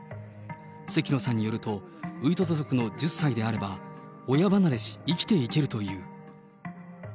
関野さんによると、ウイトト族の１０歳であれば、親離れし、生きていけるという。